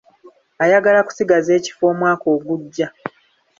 Ayagala kusigaza ekifo omwaka oguja.